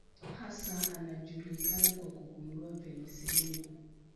Hasa anajulikana kwa kugundua penisilini.